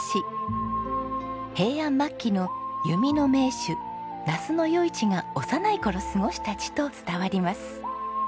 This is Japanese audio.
平安末期の弓の名手那須与一が幼い頃過ごした地と伝わります。